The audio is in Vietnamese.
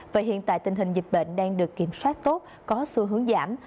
và hiện tại tình hình dịch bệnh đang được kiểm soát tốt có xu hướng giảm